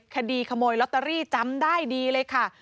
คดีขโมยลอตเตอรี่จำได้ดีเลยค่ะ